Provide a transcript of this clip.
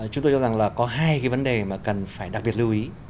chúng tôi cho rằng là có hai cái vấn đề mà cần phải đặc biệt lưu ý